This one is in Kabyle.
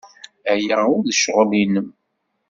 Aya ur d ccɣel-nnem.